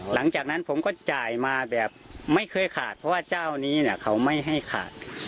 หลังจากนั้นผมก็จ่ายมาแบบไม่เคยขาดเพราะว่าเจ้านี้เขาไม่ให้ขาด